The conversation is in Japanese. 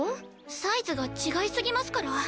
サイズが違いすぎますから。